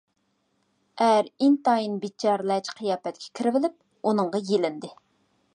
ئەر ئىنتايىن بىچارىلەرچە قىياپەتكە كىرىۋېلىپ ئۇنىڭغا يېلىندى.